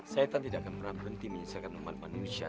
setan tidak akan pernah berhenti menyisakan umat manusia